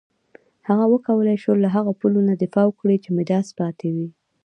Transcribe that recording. هغه وکولای شول له هغو پولو نه دفاع وکړي چې میراث پاتې وې.